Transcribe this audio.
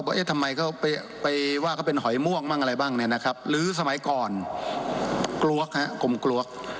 เนี่ยมีปัญหาปัญหาสรัมและกลับตัว